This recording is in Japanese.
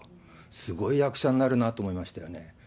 すごい役者になるなと思いました